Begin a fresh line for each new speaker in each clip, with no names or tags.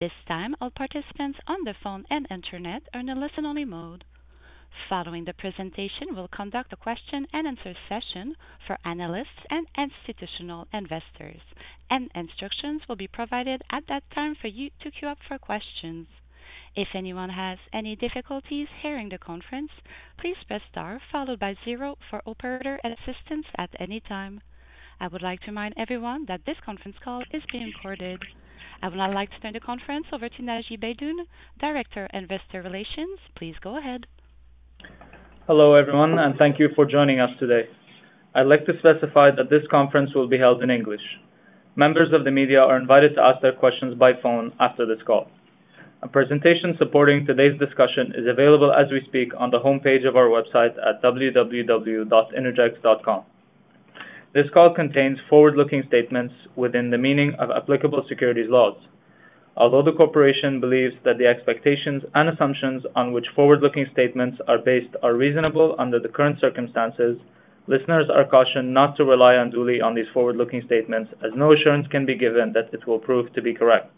This time, all participants on the phone and internet are in a listen-only mode. Following the presentation, we'll conduct a question-and-answer session for analysts and institutional investors, and instructions will be provided at that time for you to queue up for questions. If anyone has any difficulties hearing the conference, please press star followed by zero for operator assistance at any time. I would like to remind everyone that this conference call is being recorded. I would now like to turn the conference over to Naji Baydoun, Director, Investor Relations. Please go ahead.
Hello, everyone, and thank you for joining us today. I'd like to specify that this conference will be held in English. Members of the media are invited to ask their questions by phone after this call. A presentation supporting today's discussion is available as we speak on the homepage of our website at www.innergex.com. This call contains forward-looking statements within the meaning of applicable securities laws. Although the corporation believes that the expectations and assumptions on which forward-looking statements are based are reasonable under the current circumstances, listeners are cautioned not to rely unduly on these forward-looking statements, as no assurance can be given that it will prove to be correct.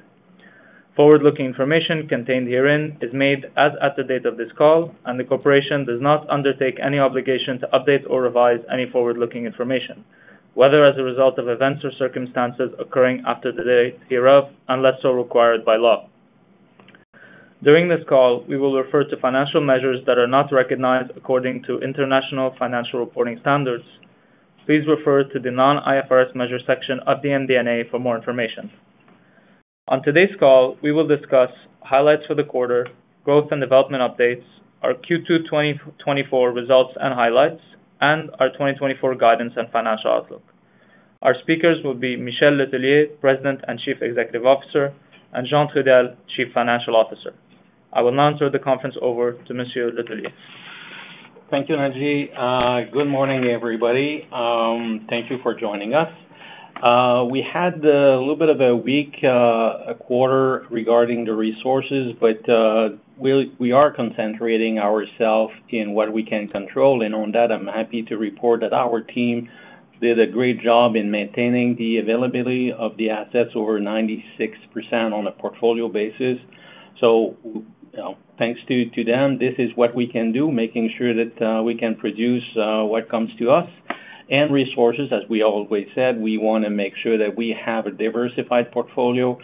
Forward-looking information contained herein is made as at the date of this call, and the corporation does not undertake any obligation to update or revise any forward-looking information, whether as a result of events or circumstances occurring after the date hereof, unless so required by law. During this call, we will refer to financial measures that are not recognized according to International Financial Reporting Standards. Please refer to the non-IFRS measure section of the MD&A for more information. On today's call, we will discuss highlights for the quarter, growth and development updates, our Q2 2024 results and highlights, and our 2024 guidance and financial outlook. Our speakers will be Michel Letellier, President and Chief Executive Officer, and Jean Trudel, Chief Financial Officer. I will now turn the conference over to Monsieur Letellier.
Thank you, Naji. Good morning, everybody. Thank you for joining us. We had a little bit of a weak quarter regarding the resources, but we are concentrating ourself in what we can control. And on that, I'm happy to report that our team did a great job in maintaining the availability of the assets over 96% on a portfolio basis. So, you know, thanks to them, this is what we can do, making sure that we can produce what comes to us. And resources, as we always said, we wanna make sure that we have a diversified portfolio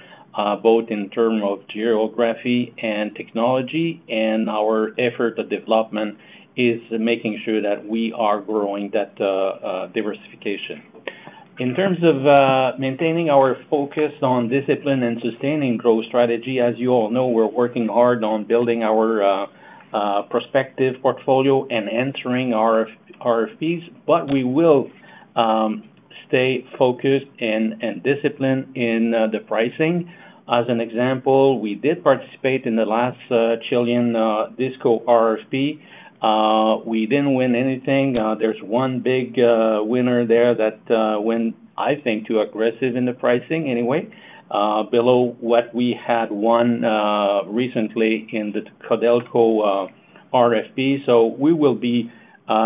both in term of geography and technology, and our effort, the development, is making sure that we are growing that diversification. In terms of maintaining our focus on discipline and sustaining growth strategy, as you all know, we're working hard on building our prospective portfolio and entering RFPs, but we will stay focused and disciplined in the pricing. As an example, we did participate in the last Chilean DISCO RFP. We didn't win anything. There's one big winner there that went, I think, too aggressive in the pricing, anyway, below what we had won recently in the Codelco RFP. So we will be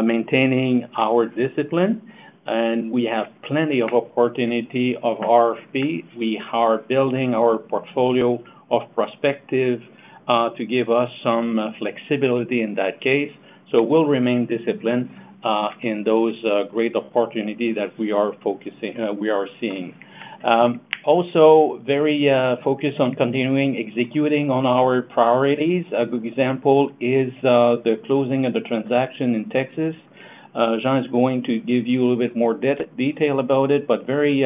maintaining our discipline, and we have plenty of opportunity of RFP. We are building our portfolio of prospective to give us some flexibility in that case. So we'll remain disciplined in those great opportunity that we are seeing. Also very focused on continuing executing on our priorities. A good example is the closing of the transaction in Texas. Jean is going to give you a little bit more detail about it, but very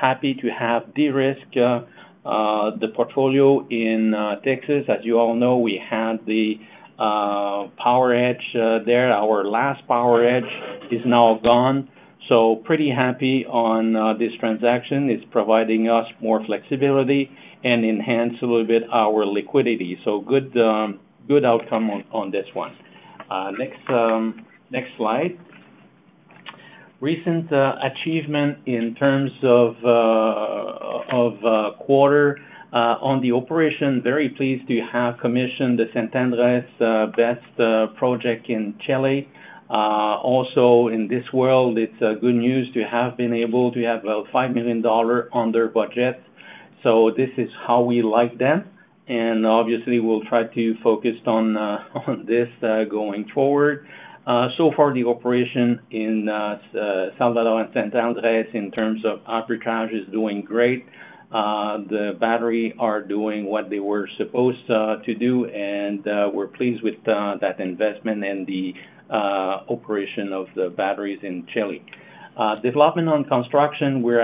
happy to have de-risk the portfolio in Texas. As you all know, we had the power hedge there. Our last power hedge is now gone. So pretty happy on this transaction. It's providing us more flexibility and enhance a little bit our liquidity. So good, good outcome on this one. Next slide. Recent achievement in terms of the quarter on the operation, very pleased to have commissioned the San Andrés BESS project in Chile. Also, in this world, it's good news to have been able to have a $5 million under budget. So this is how we like them, and obviously, we'll try to focused on, on this, going forward. So far, the operation in Salvador and San Andrés, in terms of arbitrage, is doing great. The battery are doing what they were supposed to do, and we're pleased with that investment and the operation of the batteries in Chile. Development on construction, we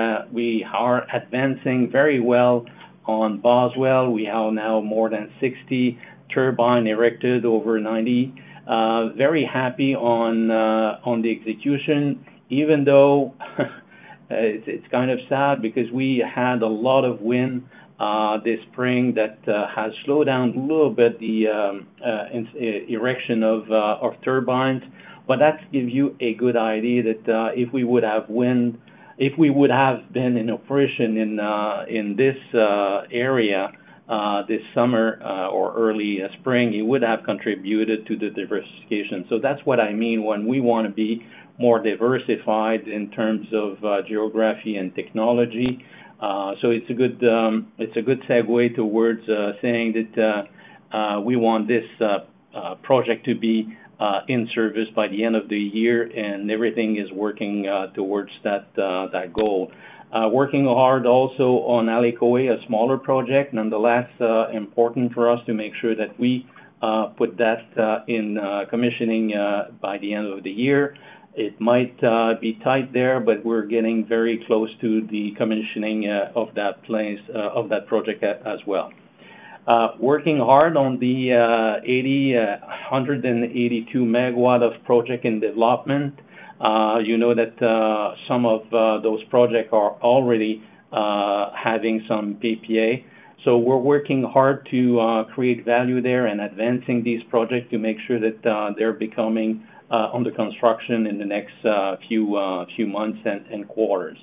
are advancing very well on Boswell. We have now more than 60 turbine erected, over 90. Very happy on the execution, even though it's kind of sad because we had a lot of wind this spring that has slowed down a little bit, the erection of turbines. But that gives you a good idea that if we would have wind, if we would have been in operation in this area this summer or early spring, it would have contributed to the diversification. So that's what I mean when we want to be more diversified in terms of geography and technology. So it's a good segue towards saying that we want this project to be in service by the end of the year, and everything is working towards that goal. Working hard also on Hale Kuawehi, a smaller project, nonetheless, important for us to make sure that we put that in commissioning by the end of the year. It might be tight there, but we're getting very close to the commissioning of that place of that project as well. Working hard on the 182 MW of project in development. You know that some of those projects are already having some PPA. So we're working hard to create value there and advancing these projects to make sure that they're becoming under construction in the next few months and quarters.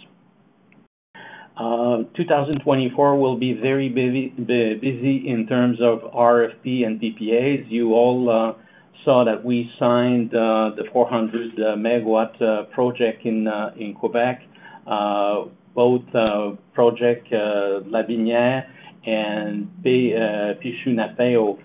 2024 will be very busy in terms of RFP and PPAs. You all saw that we signed the 400 MW project in Quebec. Both project Lotbinière Ndakina and Peshu Napeu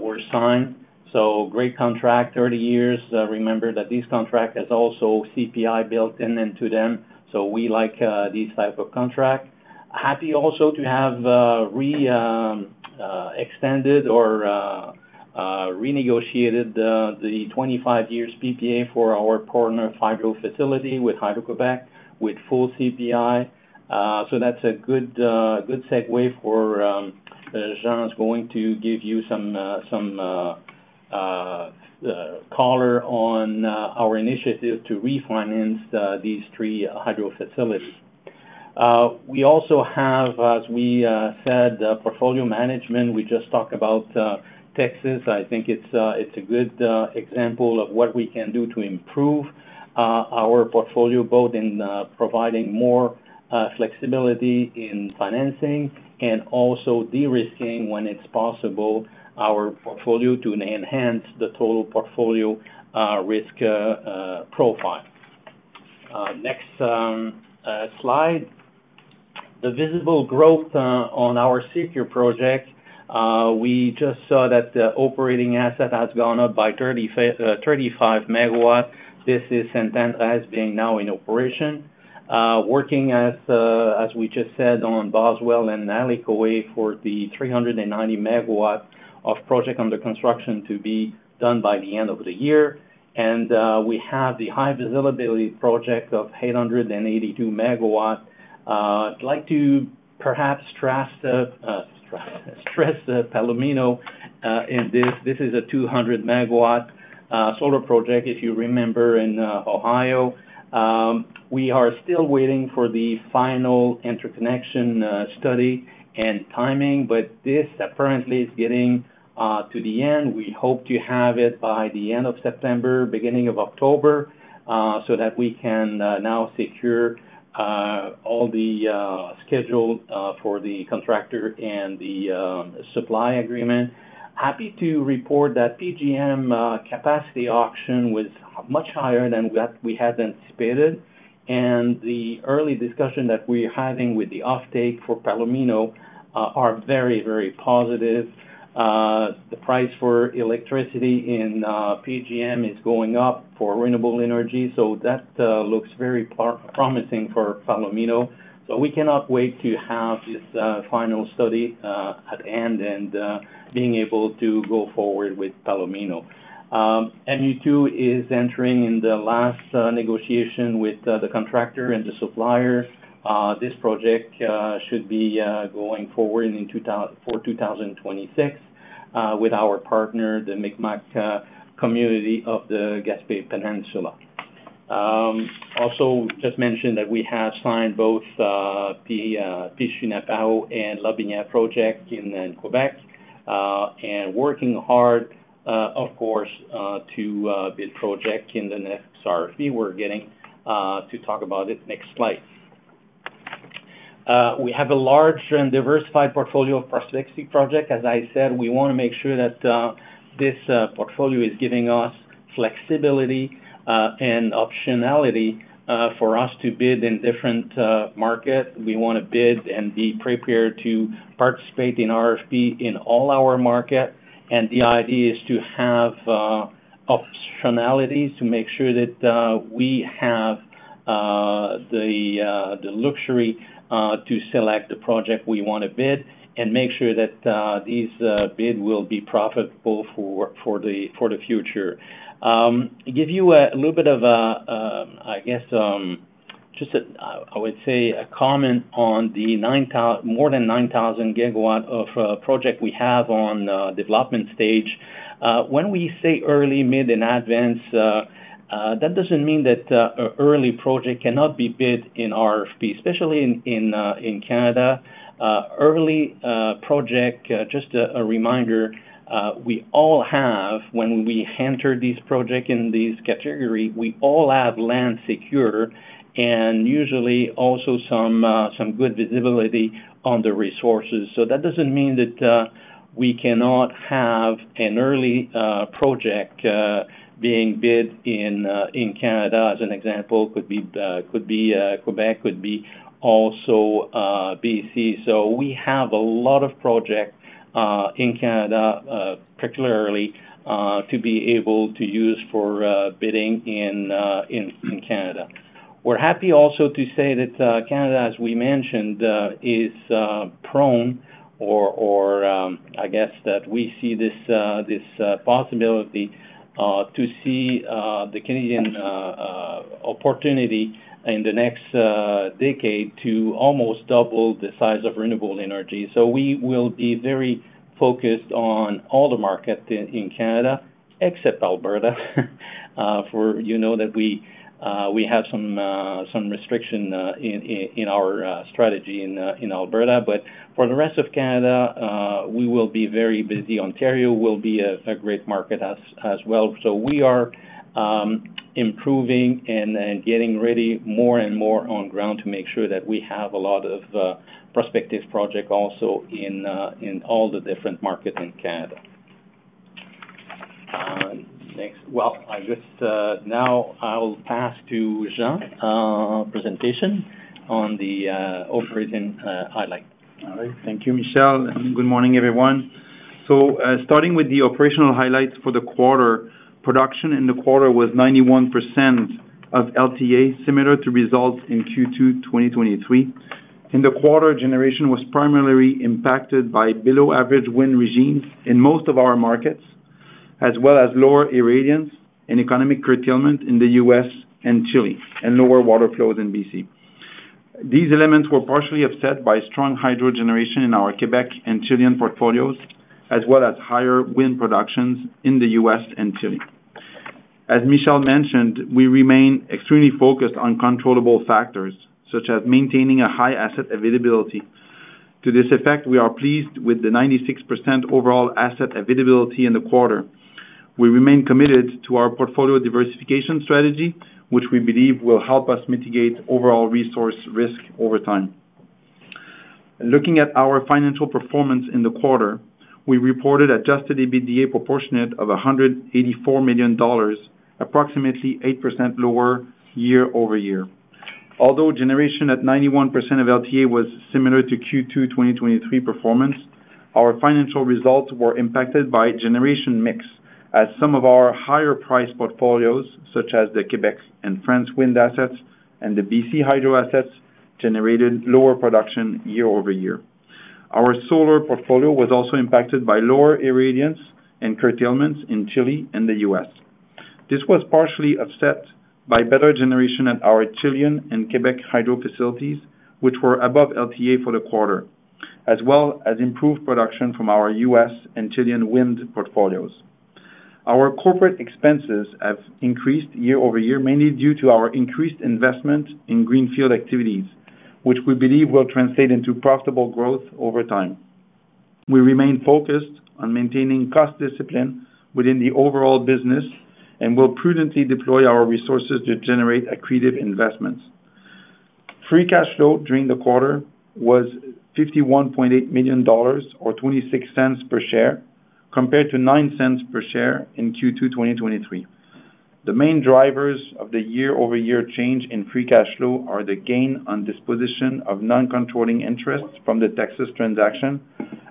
were signed, so great contract, 30 years. Remember that this contract is also CPI built into them, so we like these type of contract. Happy also to have re-extended or renegotiated the 25 years PPA for our Portneuf hydro facility with Hydro-Québec, with full CPI. So that's a good good segue for Jean is going to give you some some color on our initiative to refinance these three hydro facilities. We also have, as we said, portfolio management. We just talked about Texas. I think it's, it's a good example of what we can do to improve our portfolio, both in providing more flexibility in financing and also de-risking, when it's possible, our portfolio to enhance the total portfolio risk profile. Next slide. The visible growth on our secure project, we just saw that the operating asset has gone up by 35 MW. This is San Andrés has been now in operation. Working as we just said, on Boswell and Hale Kuawehi for the 390 MW of project under construction to be done by the end of the year. And we have the high visibility project of 882 MW. I'd like to perhaps stress Palomino in this. This is a 200-MW solar project, if you remember, in Ohio. We are still waiting for the final interconnection study and timing, but this apparently is getting to the end. We hope to have it by the end of September, beginning of October, so that we can now secure all the schedule for the contractor and the supply agreement. Happy to report that PJM capacity auction was much higher than what we had anticipated, and the early discussion that we're having with the offtake for Palomino are very, very positive. The price for electricity in PJM is going up for renewable energy, so that looks very promising for Palomino. So we cannot wait to have this final study at end and being able to go forward with Palomino. MU2 is entering in the last negotiation with the contractor and the suppliers. This project should be going forward in 2026 with our Portneuf, the Mi'kmaq community of the Gaspé Peninsula. Also just mention that we have signed both the Peshu Napeu and Lotbinière Ndakina project in Quebec and working hard of course to build project in the next RFP. We're getting to talk about it next slide. We have a large and diversified portfolio of prospective project. As I said, we want to make sure that this portfolio is giving us flexibility and optionality for us to bid in different market. We want to bid and be prepared to participate in RFP in all our market, and the idea is to have optionalities to make sure that we have the luxury to select the project we want to bid and make sure that these bid will be profitable for the future. Give you a little bit of a, I guess, just a I would say a comment on the more than 9,000 GW of project we have on the development stage. When we say early, mid, and advance, that doesn't mean that a early project cannot be bid in RFP, especially in Canada. Early project, just a reminder, we all have when we enter these project in this category, we all have land secure, and usually also some good visibility on the resources. So that doesn't mean that we cannot have an early project being bid in Canada, as an example, could be Quebec, could be also BC. So we have a lot of project in Canada, particularly to be able to use for bidding in Canada. We're happy also to say that Canada, as we mentioned, is prone or, I guess that we see this possibility to see the Canadian opportunity in the next decade to almost double the size of renewable energy. So we will be very focused on all the market in Canada, except Alberta. You know, we have some restriction in our strategy in Alberta. But for the rest of Canada, we will be very busy. Ontario will be a great market as well. So we are improving and getting ready more and more on ground to make sure that we have a lot of prospective project also in all the different markets in Canada. Next. Well, I guess now I will pass to Jean presentation on the operating highlight.
All right. Thank you, Michel, and good morning, everyone. So, starting with the operational highlights for the quarter, production in the quarter was 91% of LTA, similar to results in Q2, 2023. In the quarter, generation was primarily impacted by below-average wind regimes in most of our markets, as well as lower irradiance and economic curtailment in the U.S. and Chile, and lower water flows in B.C. These elements were partially offset by strong hydro generation in our Quebec and Chilean portfolios, as well as higher wind productions in the U.S. and Chile. As Michel mentioned, we remain extremely focused on controllable factors, such as maintaining a high asset availability. To this effect, we are pleased with the 96% overall asset availability in the quarter. We remain committed to our portfolio diversification strategy, which we believe will help us mitigate overall resource risk over time. Looking at our financial performance in the quarter, we reported Adjusted EBITDA proportionate of $184 million, approximately 8% lower year-over-year. Although generation at 91% of LTA was similar to Q2 2023 performance, our financial results were impacted by generation mix, as some of our higher-priced portfolios, such as the Quebec and France wind assets and the BC Hydro assets, generated lower production year-over-year. Our solar portfolio was also impacted by lower irradiance and curtailments in Chile and the U.S. This was partially upset by better generation at our Chilean and Quebec Hydro facilities, which were above LTA for the quarter, as well as improved production from our U.S. and Chilean wind portfolios. Our corporate expenses have increased year-over-year, mainly due to our increased investment in greenfield activities, which we believe will translate into profitable growth over time. We remain focused on maintaining cost discipline within the overall business and will prudently deploy our resources to generate accretive investments. Free cash flow during the quarter was 51.8 million dollars, or 0.26 per share, compared to 0.09 per share in Q2 2023. The main drivers of the year-over-year change in free cash flow are the gain on disposition of non-controlling interests from the Texas transaction,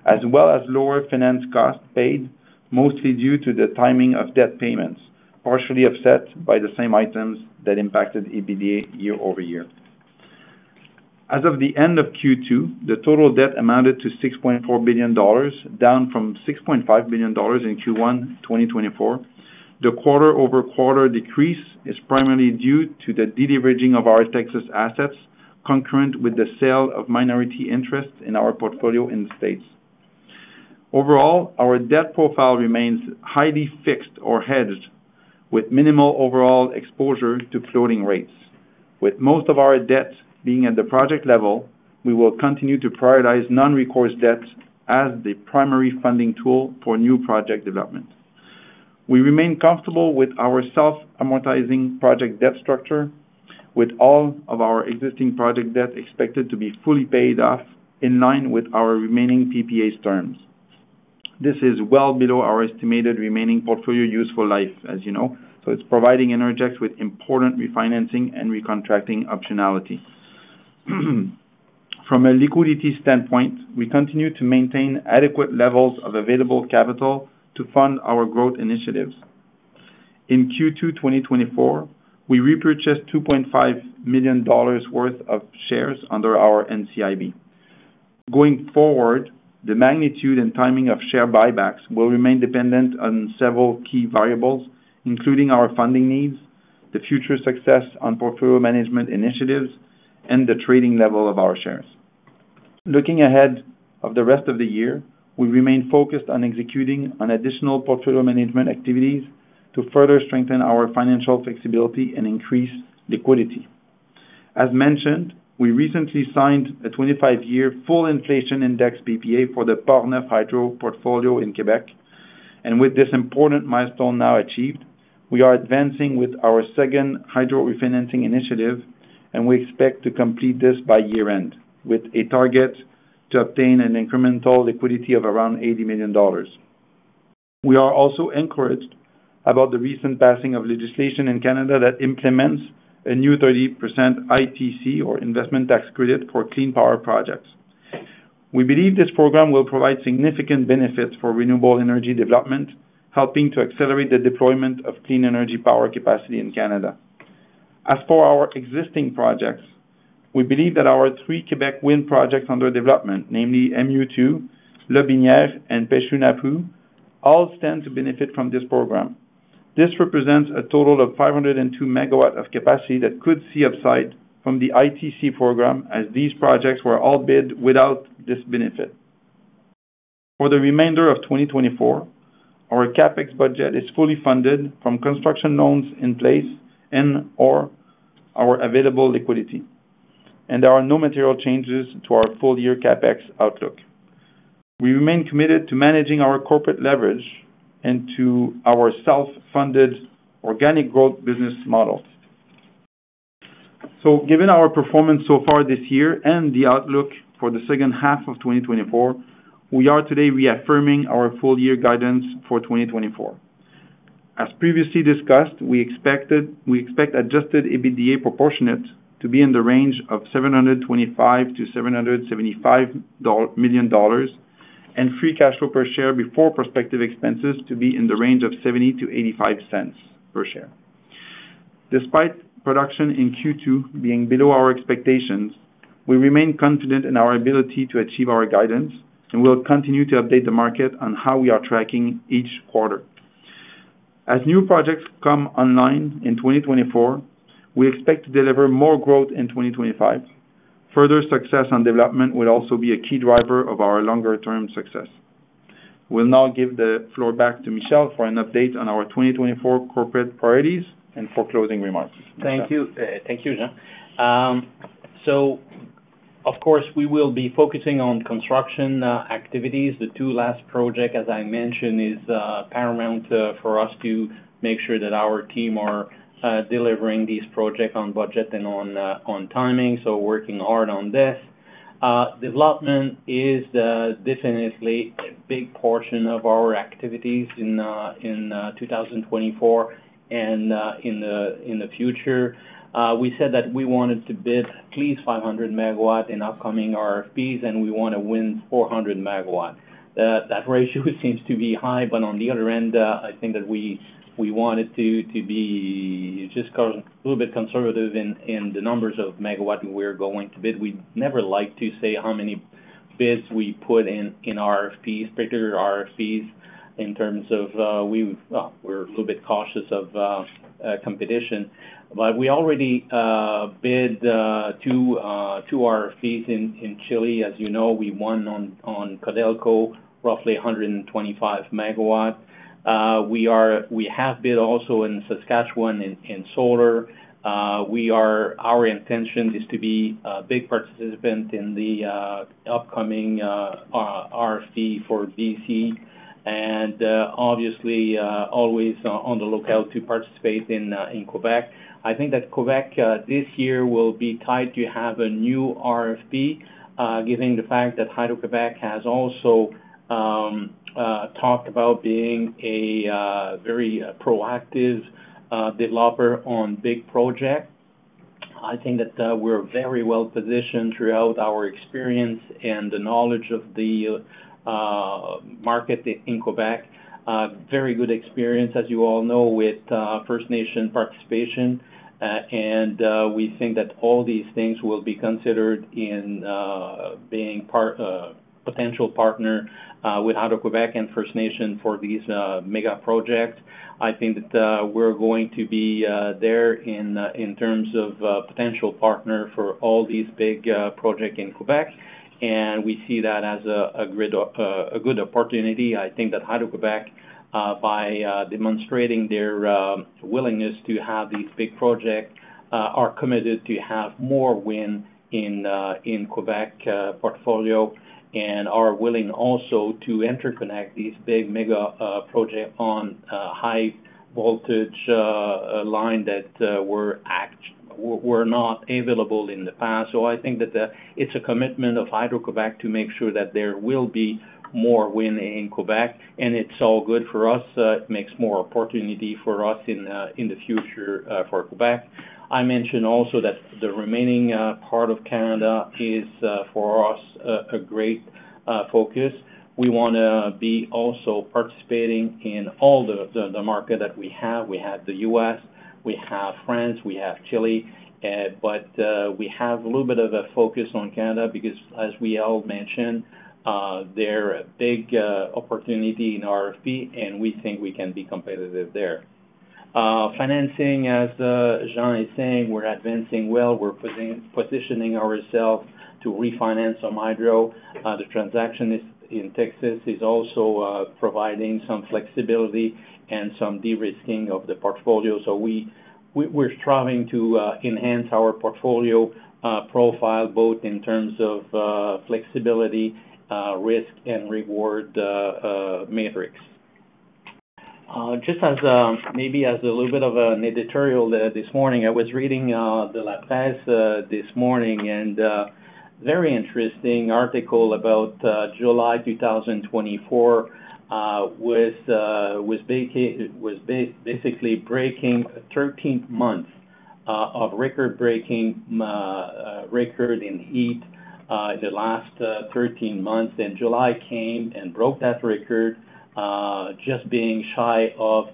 as well as lower finance costs paid, mostly due to the timing of debt payments, partially offset by the same items that impacted EBITDA year-over-year. As of the end of Q2, the total debt amounted to 6.4 billion dollars, down from 6.5 billion dollars in Q1 2024. The quarter-over-quarter decrease is primarily due to the de-leveraging of our Texas assets, concurrent with the sale of minority interest in our portfolio in the States. Overall, our debt profile remains highly fixed or hedged, with minimal overall exposure to floating rates. With most of our debts being at the project level, we will continue to prioritize non-recourse debts as the primary funding tool for new project development. We remain comfortable with our self-amortizing project debt structure, with all of our existing project debt expected to be fully paid off in line with our remaining PPAs terms. This is well below our estimated remaining portfolio useful life, as you know, so it's providing Innergex with important refinancing and recontracting optionality. From a liquidity standpoint, we continue to maintain adequate levels of available capital to fund our growth initiatives. In Q2 2024, we repurchased $2.5 million worth of shares under our NCIB. Going forward, the magnitude and timing of share buybacks will remain dependent on several key variables, including our funding needs, the future success on portfolio management initiatives, and the trading level of our shares. Looking ahead of the rest of the year, we remain focused on executing on additional portfolio management activities to further strengthen our financial flexibility and increase liquidity. As mentioned, we recently signed a 25-year full inflation index PPA for the Portneuf Hydro portfolio in Quebec, and with this important milestone now achieved, we are advancing with our second hydro refinancing initiative, and we expect to complete this by year-end, with a target to obtain an incremental liquidity of around 80 million dollars. We are also encouraged about the recent passing of legislation in Canada that implements a new 30% ITC, or investment tax credit, for clean power projects. We believe this program will provide significant benefits for renewable energy development, helping to accelerate the deployment of clean energy power capacity in Canada. As for our existing projects, we believe that our three Quebec wind projects under development, namely MU2, Lotbinière Ndakina, and Peshu Napeu, all stand to benefit from this program. This represents a total of 502 MW of capacity that could see upside from the ITC program, as these projects were all bid without this benefit. For the remainder of 2024, our CapEx budget is fully funded from construction loans in place and/or our available liquidity, and there are no material changes to our full-year CapEx outlook. We remain committed to managing our corporate leverage and to our self-funded organic growth business model. So given our performance so far this year and the outlook for the second half of 2024, we are today reaffirming our full-year guidance for 2024. As previously discussed, we expected- we expect Adjusted EBITDA proportionate to be in the range of 725 million-775 million dollars, and free cash flow per share before prospective expenses to be in the range of 0.70-0.85 per share. Despite production in Q2 being below our expectations, we remain confident in our ability to achieve our guidance, and we will continue to update the market on how we are tracking each quarter. As new projects come online in 2024, we expect to deliver more growth in 2025. Further success on development will also be a key driver of our longer-term success. We'll now give the floor back to Michel for an update on our 2024 corporate priorities and for closing remarks.
Thank you. Thank you, Jean. So of course, we will be focusing on construction activities. The two last project, as I mentioned, is paramount for us to make sure that our team are delivering these projects on budget and on timing, so working hard on this. Development is definitely a big portion of our activities in 2024 and in the future. We said that we wanted to bid at least 500 MW in upcoming RFPs, and we want to win 400 MW. That ratio seems to be high, but on the other hand, I think that we wanted to be just a little bit conservative in the numbers of MW we're going to bid. We never like to say how many bids we put in, in RFPs, particular RFPs, in terms of, we, we're a little bit cautious of, competition. But we already bid two RFPs in Chile. As you know, we won on Codelco, roughly 125 MW. We have bid also in Saskatchewan, in solar. Our intention is to be a big participant in the upcoming RFP for BC, and obviously always on the lookout to participate in Quebec. I think that Quebec this year will be likely to have a new RFP, given the fact that Hydro-Québec has also talked about being a very proactive developer on big projects. I think that we're very well-positioned throughout our experience and the knowledge of the market in Quebec. Very good experience, as you all know, with First Nation participation, and we think that all these things will be considered in being part potential Portneuf with Hydro-Québec and First Nation for these mega projects. I think that we're going to be there in terms of potential Portneuf for all these big projects in Quebec, and we see that as a good opportunity. I think that Hydro-Québec, by demonstrating their willingness to have these big projects, are committed to have more wind in Quebec portfolio, and are willing also to interconnect these big mega projects on high voltage line that were not available in the past. So I think that it's a commitment of Hydro-Québec to make sure that there will be more wind in Quebec, and it's all good for us. It makes more opportunity for us in the future for Quebec. I mentioned also that the remaining part of Canada is for us a great focus. We want to be also participating in all the market that we have. We have the U.S., we have France, we have Chile, but we have a little bit of a focus on Canada, because as we all mentioned, there are big opportunity in RFP, and we think we can be competitive there. Financing, as Jean is saying, we're advancing well. We're positioning ourselves to refinance some hydro. The transaction in Texas is also providing some flexibility and some de-risking of the portfolio. So we're striving to enhance our portfolio profile, both in terms of flexibility, risk, and reward metrics. Just as, maybe as a little bit of an editorial there this morning, I was reading the La Presse this morning, and very interesting article about July 2024, with basically breaking 13th month of record-breaking record in heat, the last 13 months, and July came and broke that record, just being shy of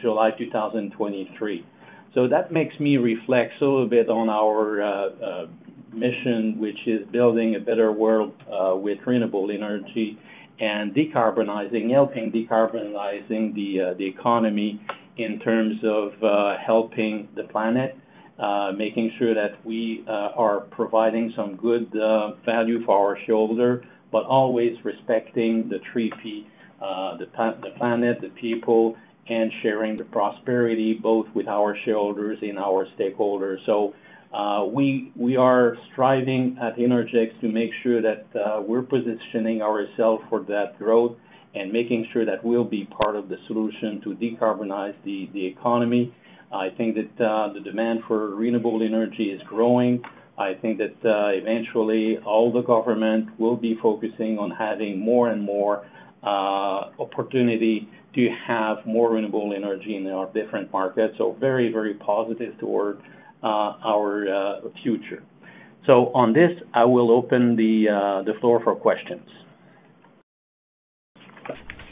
July 2023. So that makes me reflect a little bit on our mission, which is building a better world with renewable energy and decarbonizing - helping decarbonizing the economy in terms of helping the planet. Making sure that we are providing some good value for our shareholder, but always respecting the three P, the planet, the people, and sharing the prosperity, both with our shareholders and our stakeholders. So, we are striving at Innergex to make sure that we're positioning ourselves for that growth and making sure that we'll be part of the solution to decarbonize the economy. I think that the demand for renewable energy is growing. I think that eventually, all the government will be focusing on having more and more opportunity to have more renewable energy in our different markets, so very, very positive toward our future. So on this, I will open the floor for questions.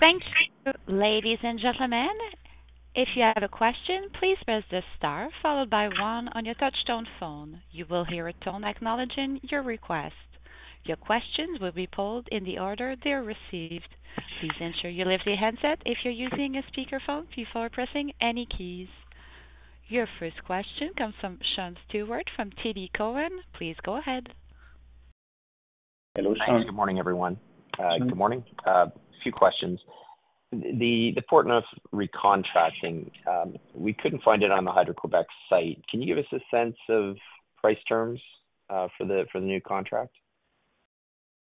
Thank you, ladies and gentlemen. If you have a question, please press the star followed by one on your touchtone phone. You will hear a tone acknowledging your request. Your questions will be pulled in the order they are received. Please ensure you lift the handset if you're using a speakerphone before pressing any keys. Your first question comes from Sean Steuart from TD Cowen. Please go ahead.
Hello, Sean.
Hi, good morning, everyone. Good morning. A few questions. The Portneuf recontracting, we couldn't find it on the Hydro-Québec site. Can you give us a sense of price terms for the new contract?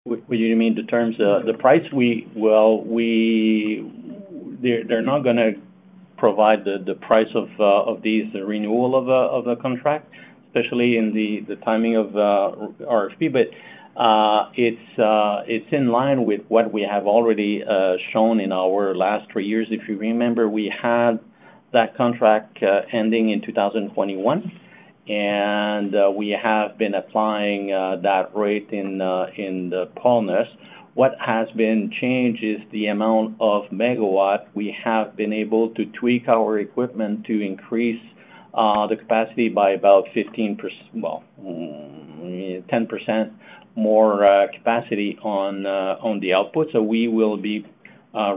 What do you mean, the terms? The price we... Well, we-- They're, they're not gonna provide the, the price of, of these, the renewal of a, of a contract, especially in the, the timing of, RFP. But, it's, it's in line with what we have already, shown in our last three years. If you remember, we had that contract, ending in 2021, and, we have been applying, that rate in, in the Portneuf. What has been changed is the amount of MW. We have been able to tweak our equipment to increase, the capacity by about 15%, well, 10% more, capacity on, on the output. So we will be,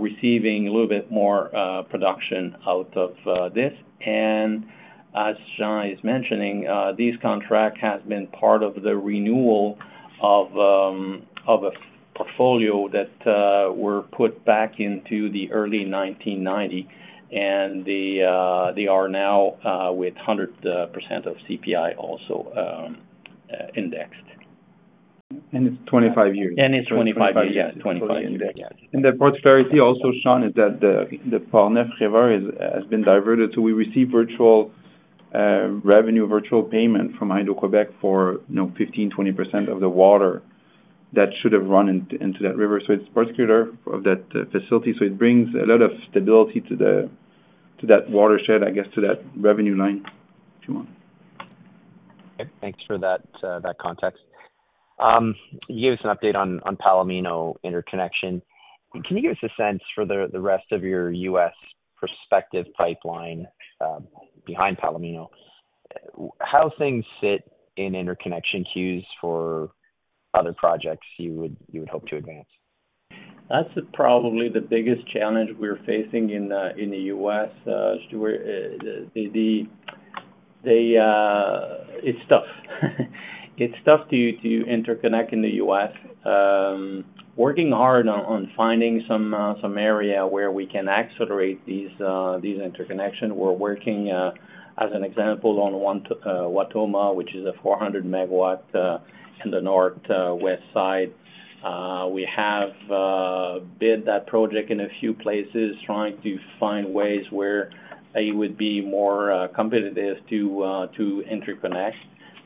receiving a little bit more, production out of, this. As Jean is mentioning, this contract has been part of the renewal of a portfolio that were put back into the early 1990s, and they are now with 100% of CPI also indexed.
It's 25 years.
It's 25 years. Yeah, 25 years.
And the prosperity also, Sean, is that the, the Portneuf River is, has been diverted, so we receive virtual revenue, virtual payment from Hydro-Québec for, you know, 15%-20% of the water that should have run into, into that river. So it's particular of that facility, so it brings a lot of stability to the, to that watershed, I guess, to that revenue line too.
Thanks for that, that context. Can you give us an update on, on Palomino interconnection? Can you give us a sense for the, the rest of your U.S. prospective pipeline, behind Palomino, how things sit in interconnection queues for other projects you would, you would hope to advance?
That's probably the biggest challenge we're facing in the US, where they... It's tough. It's tough to interconnect in the US. Working hard on finding some area where we can accelerate these interconnection. We're working, as an example, on one Wautoma, which is a 400 MW in the northwest side. We have bid that project in a few places, trying to find ways where it would be more competitive to interconnect.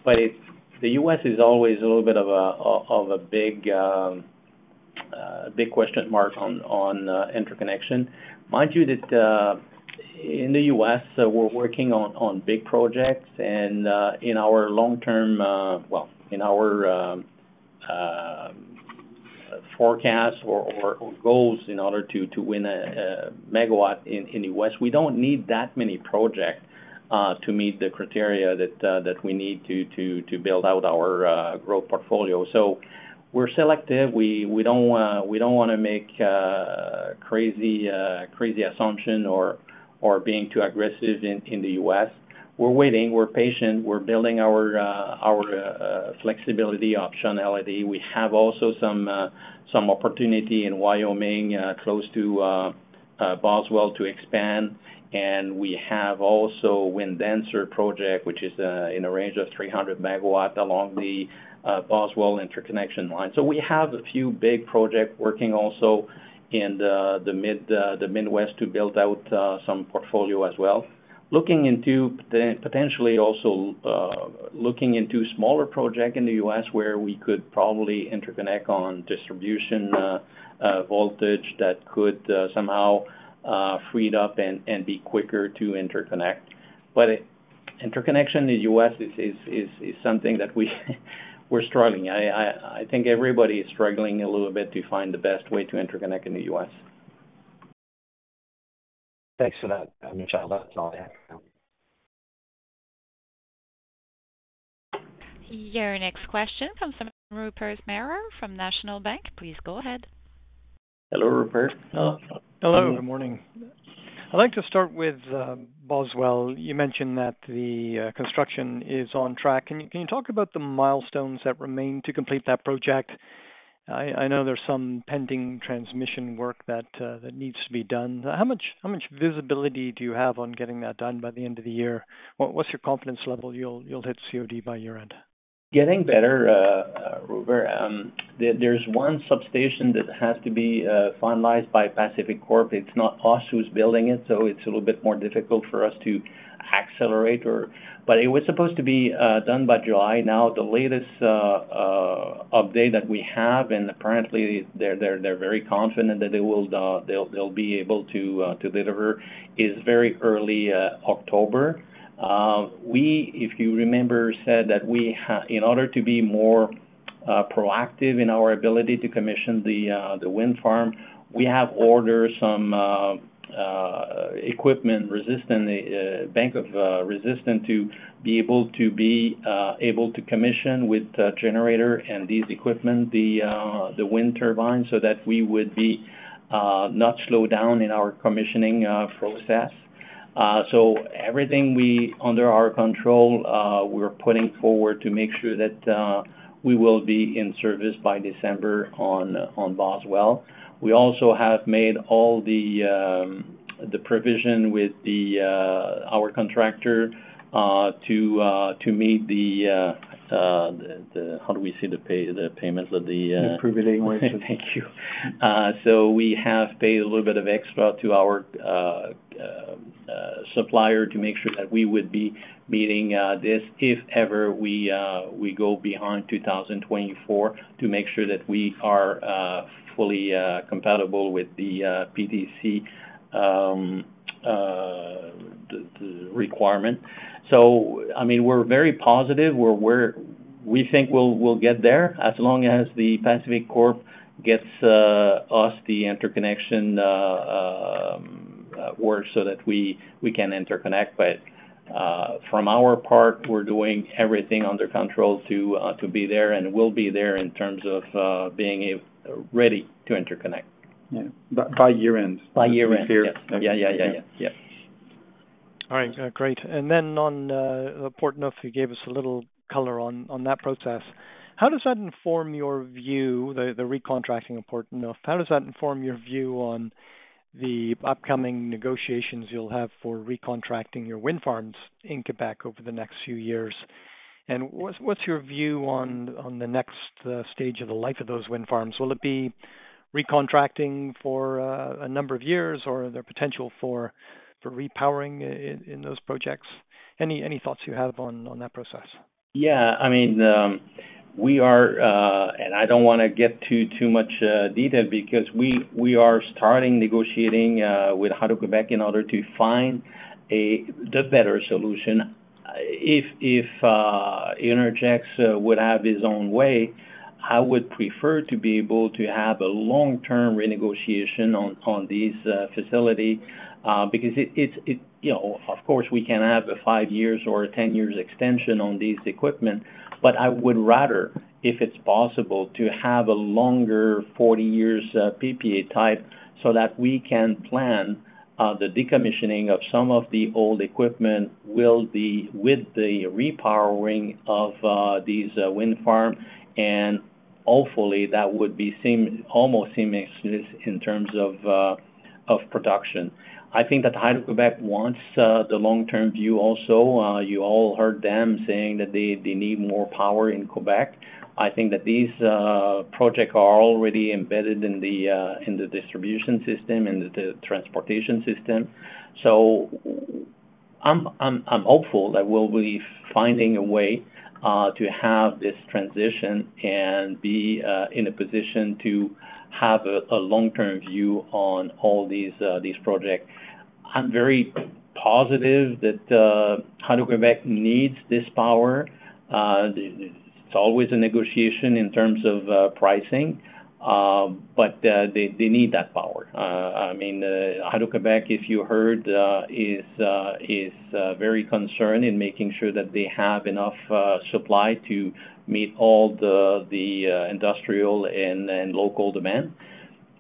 But it's the US is always a little bit of a big question mark on interconnection. Mind you, that, in the U.S., we're working on big projects and, in our long term, well, in our, forecast or goals in order to win a MW in the West, we don't need that many projects.... to meet the criteria that we need to build out our growth portfolio. So we're selective. We don't wanna, we don't wanna make crazy, crazy assumption or being too aggressive in the U.S. We're waiting, we're patient, we're building our flexibility, optionality. We have also some opportunity in Wyoming, close to Boswell to expand, and we have also Wind Dancer project, which is in a range of 300 MW along the Boswell interconnection line. So we have a few big project working also in the Midwest to build out some portfolio as well. Looking into potentially also looking into smaller project in the U.S. where we could probably interconnect on distribution voltage that could somehow freed up and be quicker to interconnect. But interconnection in the U.S. is something that we're struggling. I think everybody is struggling a little bit to find the best way to interconnect in the U.S.
Thanks for that, Michel. That's all I have now.
Your next question from Rupert Merer from National Bank. Please go ahead.
Hello, Rupert. Hello.
Hello, good morning. I'd like to start with Boswell. You mentioned that the construction is on track. Can you talk about the milestones that remain to complete that project? I know there's some pending transmission work that needs to be done. How much visibility do you have on getting that done by the end of the year? What's your confidence level you'll hit COD by year-end?
Getting better, Rupert. There's one substation that has to be finalized by PacifiCorp. It's not us who's building it, so it's a little bit more difficult for us to accelerate or... But it was supposed to be done by July. Now, the latest update that we have, and apparently they're very confident that they will, they'll be able to to deliver, is very early October. If you remember, we said that we in order to be more proactive in our ability to commission the wind farm, we have ordered some equipment, resistor bank to be able to commission with the generator and these equipment, the wind turbine, so that we would be not slowed down in our commissioning process. So everything under our control, we're putting forward to make sure that we will be in service by December on Boswell. We also have made all the provision with our contractor to meet the how do we say, the pay, the payments of the.
The provisioning. Thank you.
So we have paid a little bit of extra to our supplier to make sure that we would be meeting this if ever we go beyond 2024, to make sure that we are fully compatible with the PTC, the requirement. So I mean, we're very positive, we're—we think we'll get there as long as the PacifiCorp gets us the interconnection work so that we can interconnect. But from our part, we're doing everything under control to be there, and we'll be there in terms of being ready to interconnect.
Yeah. By year-end?
By year-end.
This year.
Yeah. Yeah, yeah, yeah. Yeah.
All right, great. And then on Portneuf, you gave us a little color on that process. How does that inform your view, the recontracting of Portneuf, how does that inform your view on the upcoming negotiations you'll have for recontracting your wind farms in Quebec over the next few years? And what's your view on the next stage of the life of those wind farms? Will it be recontracting for a number of years, or are there potential for repowering in those projects? Any thoughts you have on that process?
Yeah. I mean, we are, and I don't wanna get to too much detail because we are starting negotiating with Hydro-Québec in order to find the better solution. If Intergex would have its own way, I would prefer to be able to have a long-term renegotiation on these facilities because it's you know, of course, we can have a 5-year or a 10-year extension on these equipment, but I would rather, if it's possible, to have a longer 40-year PPA type, so that we can plan the decommissioning of some of the old equipment will be with the repowering of these wind farms, and hopefully, that would be almost seamless in terms of production. I think that Hydro-Québec wants the long-term view also. You all heard them saying that they need more power in Quebec. I think that these projects are already embedded in the distribution system and the transportation system. So I'm hopeful that we'll be finding a way to have this transition and be in a position to have a long-term view on all these projects. I'm very positive that Hydro-Québec needs this power. It's always a negotiation in terms of pricing, but they need that power. I mean, Hydro-Québec, if you heard, is very concerned in making sure that they have enough supply to meet all the industrial and local demand.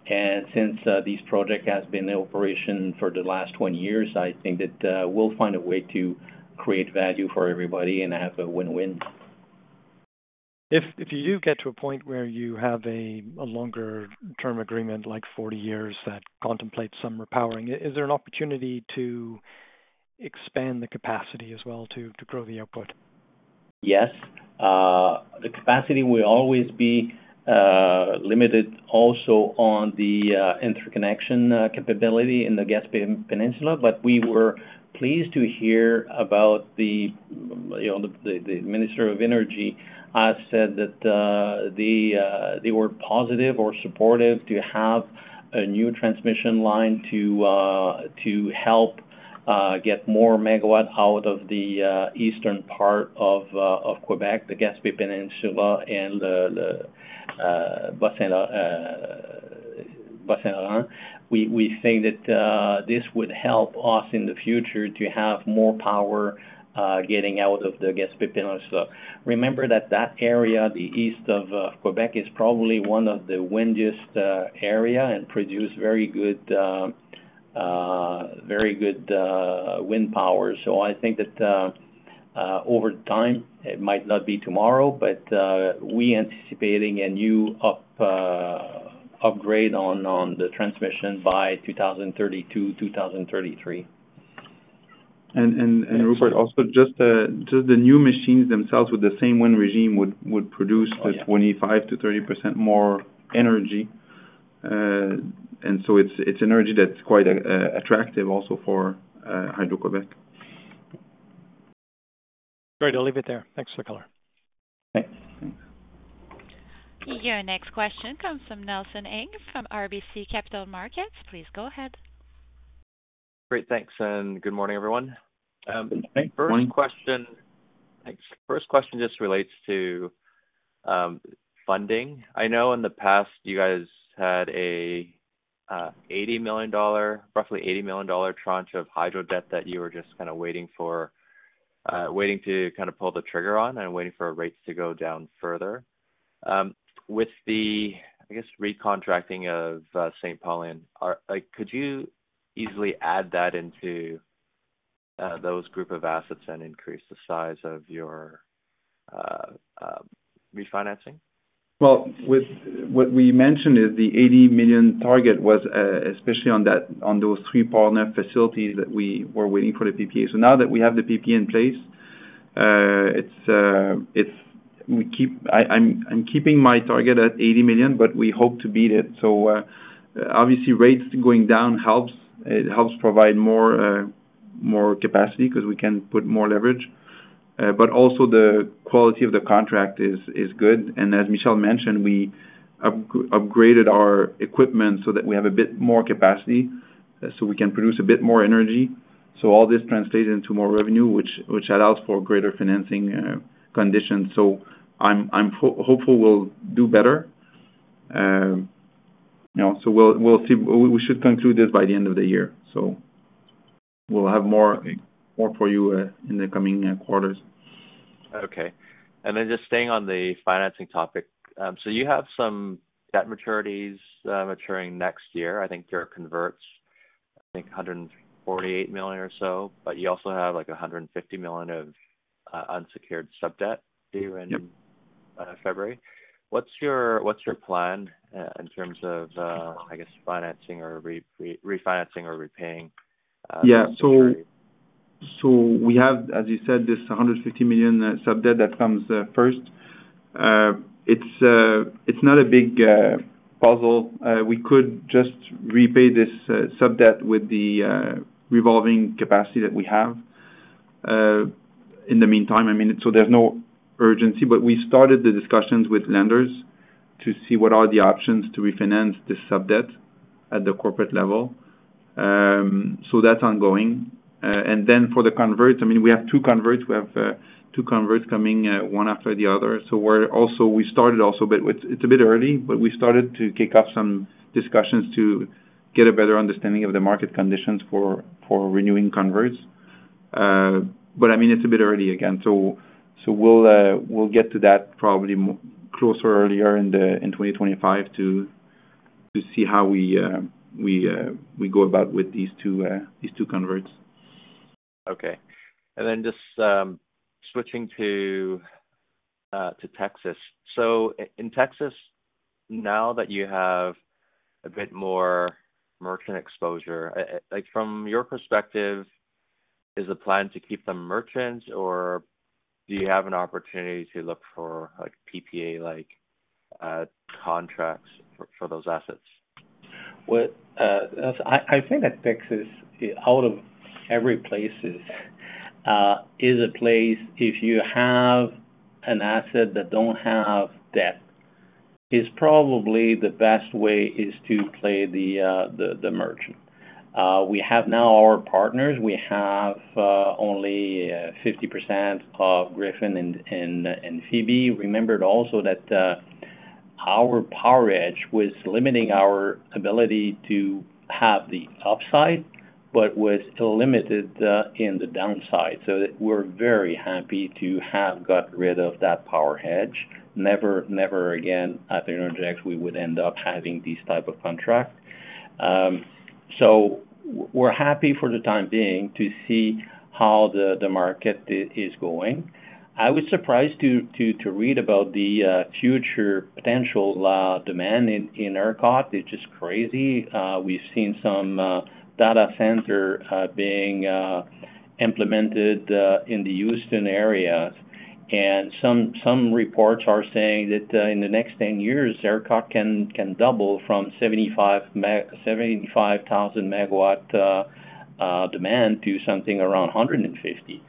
Since this project has been in operation for the last 20 years, I think that we'll find a way to create value for everybody and have a win-win.
If you do get to a point where you have a longer-term agreement, like 40 years, that contemplates some repowering, is there an opportunity to expand the capacity as well to grow the output?
Yes. The capacity will always be limited also on the interconnection capability in the Gaspé Peninsula. But we were pleased to hear about the, you know, the Minister of Energy said that they were positive or supportive to have a new transmission line to help get more MW out of the eastern part of Quebec, the Gaspé Peninsula and the Bas-Saint-Laurent. We think that this would help us in the future to have more power getting out of the Gaspé Peninsula. Remember that area, the east of Quebec, is probably one of the windiest area, and produce very good wind power. So I think that, over time, it might not be tomorrow, but we anticipating a new upgrade on the transmission by 2032, 2033.
And Rupert, also, just the new machines themselves with the same wind regime would produce-
Oh, yeah.
- 25%-30% more energy. And so it's energy that's quite attractive also for Hydro-Québec.
Great, I'll leave it there. Thanks for the color.
Thanks.
Thanks.
Your next question comes from Nelson Ng from RBC Capital Markets. Please go ahead.
Great, thanks, and good morning, everyone.
Good morning.
Thanks. First question just relates to funding. I know in the past, you guys had a, roughly $80 million tranche of hydro debt that you were just kind of waiting for, waiting to kind of pull the trigger on and waiting for rates to go down further. With the, I guess, recontracting of Saint-Paulin, are... Like, could you easily add that into those group of assets and increase the size of your refinancing?
Well, with what we mentioned is the 80 million target was, especially on those three Portneuf facilities that we were waiting for the PPA. So now that we have the PPA in place, it's-- We keep... I'm keeping my target at 80 million, but we hope to beat it. So, obviously, rates going down helps, it helps provide more capacity because we can put more leverage, but also the quality of the contract is good. And as Michel mentioned, we upgraded our equipment so that we have a bit more capacity, so we can produce a bit more energy. So all this translated into more revenue, which allows for greater financing conditions. So I'm hopeful we'll do better. You know, so we'll see. We should conclude this by the end of the year, so we'll have more for you in the coming quarters.
Okay. And then just staying on the financing topic. So you have some debt maturities maturing next year. I think your converts, I think 148 million or so, but you also have, like, 150 million of unsecured subdebt-
Yep
due in February. What's your plan in terms of, I guess, financing or refinancing or repaying?
Yeah. So we have, as you said, this 150 million subdebt that comes first. It's not a big puzzle. We could just repay this subdebt with the revolving capacity that we have in the meantime. I mean, so there's no urgency, but we started the discussions with lenders to see what are the options to refinance this subdebt at the corporate level. So that's ongoing. And then for the converts, I mean, we have two converts. We have two converts coming one after the other. So we're also—we started also, but it's a bit early, but we started to kick off some discussions to get a better understanding of the market conditions for renewing converts. But I mean, it's a bit early again. So we'll get to that probably closer, earlier in 2025 to see how we go about with these two converts.
Okay. And then just switching to Texas. So in Texas, now that you have a bit more merchant exposure, like from your perspective, is the plan to keep them merchants, or do you have an opportunity to look for, like, PPA, like, contracts for those assets?
Well, as I think that Texas, out of every places, is a place if you have an asset that don't have debt is probably the best way to play the merchant. We have now our Portneuf. We have only 50% of Griffin and Phoebe. Remember also that our power hedge was limiting our ability to have the upside, but was still limited in the downside. So we're very happy to have got rid of that power hedge. Never, never again at Innergex we would end up having these type of contract. So we're happy for the time being to see how the market is going. I was surprised to read about the future potential demand in ERCOT. It's just crazy. We've seen some data center being implemented in the Houston area. Some reports are saying that in the next 10 years, ERCOT can double from 75,000 MW demand to something around 150,000 MW.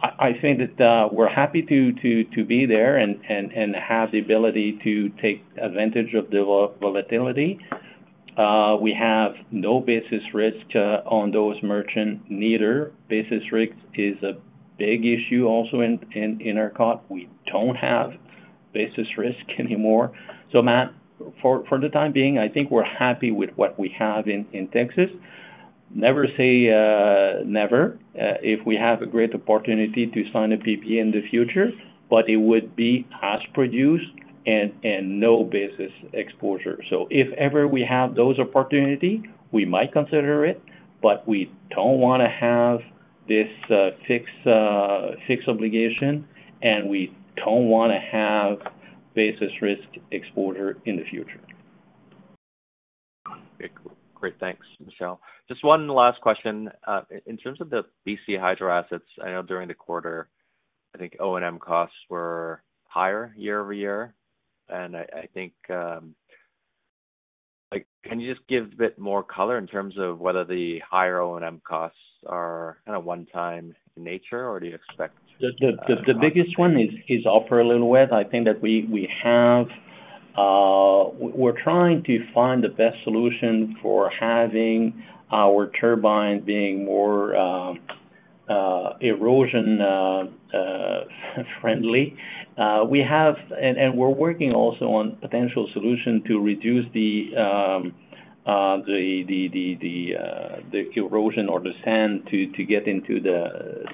I think that we're happy to be there and have the ability to take advantage of the volatility. We have no business risk on those merchant neither. Business risk is a big issue also in ERCOT. We don't have business risk anymore. So Matt, for the time being, I think we're happy with what we have in Texas. Never say never, if we have a great opportunity to sign a PPA in the future, but it would be as produced and no business exposure. So if ever we have those opportunity, we might consider it, but we don't wanna have this fixed obligation, and we don't wanna have business risk exposure in the future.
Great. Thanks, Michel. Just one last question. In terms of the BC hydro assets, I know during the quarter, I think O&M costs were higher year-over-year, and I think, like, can you just give a bit more color in terms of whether the higher O&M costs are kind of one-time in nature, or do you expect-
The biggest one is Upper Lillooet. I think that we have. We're trying to find the best solution for having our turbine being more erosion friendly. We have. And we're working also on potential solution to reduce the erosion or the sand to get into the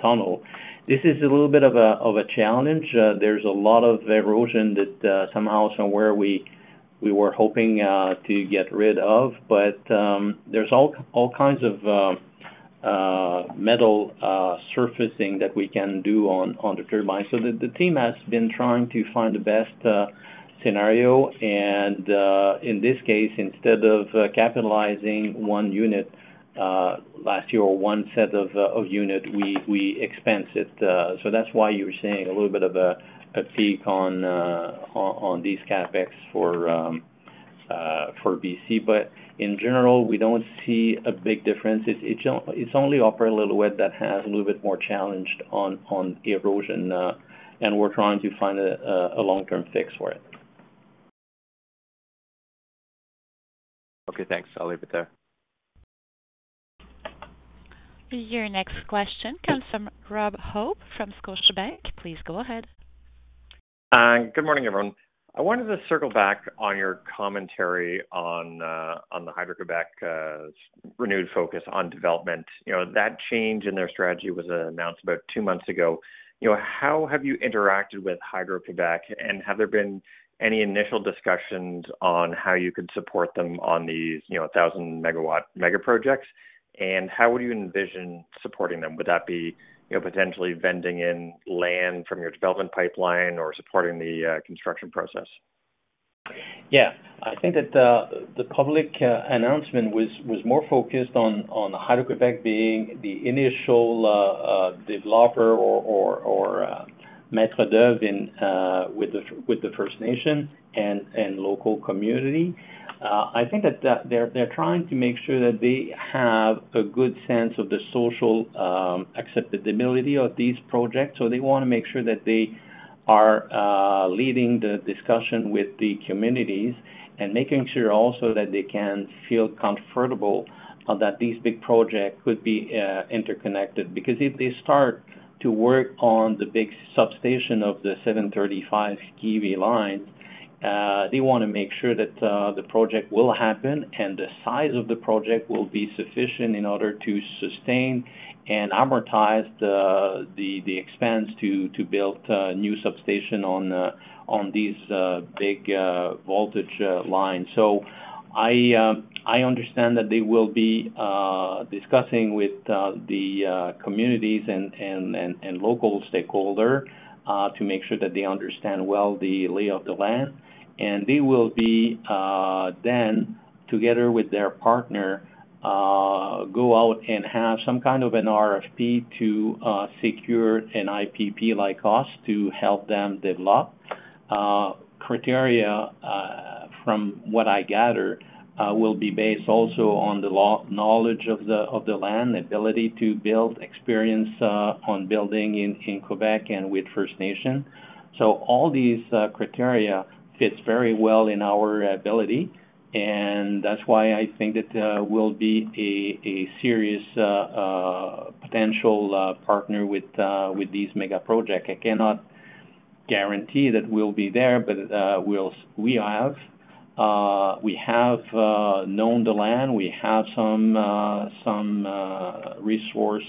tunnel. This is a little bit of a challenge. There's a lot of erosion that somehow, somewhere, we were hoping to get rid of, but there's all kinds of metal surfacing that we can do on the turbine. So the team has been trying to find the best scenario, and in this case, instead of capitalizing one unit last year or one set of unit, we expense it. So that's why you're seeing a little bit of a peak on these CapEx for BC. But in general, we don't see a big difference. It's only Upper Lillooet that has a little bit more challenged on the erosion, and we're trying to find a long-term fix for it.
Okay, thanks. I'll leave it there.
Your next question comes from Rob Hope, from Scotiabank. Please go ahead.
Good morning, everyone. I wanted to circle back on your commentary on the Hydro-Québec renewed focus on development. You know, that change in their strategy was announced about two months ago. You know, how have you interacted with Hydro-Québec, and have there been any initial discussions on how you could support them on these, you know, 1,000-MW megaprojects? And how would you envision supporting them? Would that be, you know, potentially vending in land from your development pipeline or supporting the construction process?
Yeah. I think that the public announcement was more focused on Hydro-Québec being the initial developer or maître d'œuvre in with the First Nation and local community. I think that they're trying to make sure that they have a good sense of the social acceptability of these projects. So they want to make sure that they are leading the discussion with the communities and making sure also that they can feel comfortable that these big projects could be interconnected. Because if they start to work on the big substation of the 735 kV line, they want to make sure that the project will happen and the size of the project will be sufficient in order to sustain and amortize the expense to build new substation on these big voltage lines. So I understand that they will be discussing with the communities and local stakeholder to make sure that they understand well the lay of the land. And they will be then, together with their Portneuf, go out and have some kind of an RFP to secure an IPP like us to help them develop. Criteria-... From what I gather, will be based also on the knowledge of the land, the ability to build experience on building in Quebec and with First Nation. So all these criteria fits very well in our ability, and that's why I think that we'll be a serious potential Portneuf with these mega project. I cannot guarantee that we'll be there, but we have known the land. We have some resource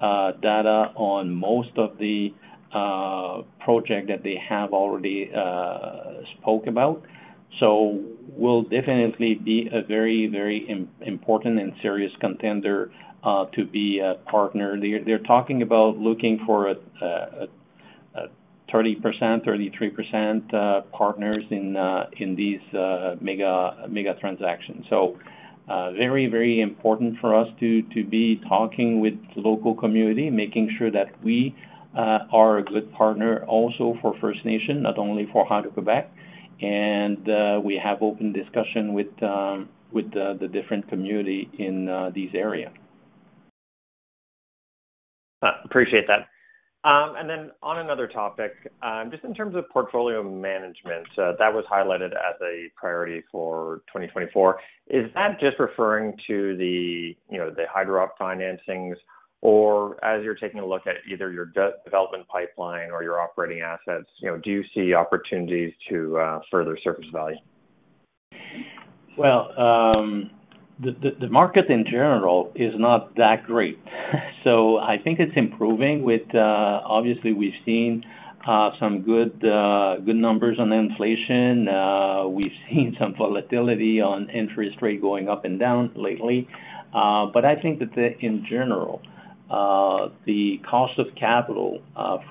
data on most of the project that they have already spoke about. So we'll definitely be a very important and serious contender to be a Portneuf. They're talking about looking for a 30%, 33% Portneuf in these mega transactions. So, very, very important for us to be talking with local community, making sure that we are a good Portneuf also for First Nation, not only for Hydro-Québec. We have open discussion with the different community in these area.
Appreciate that. And then on another topic, just in terms of portfolio management, that was highlighted as a priority for 2024. Is that just referring to the, you know, the hydro financings? Or as you're taking a look at either your development pipeline or your operating assets, you know, do you see opportunities to further surface value?
Well, the market in general is not that great. So I think it's improving with... Obviously, we've seen some good numbers on inflation. We've seen some volatility on interest rate going up and down lately. But I think that the, in general, the cost of capital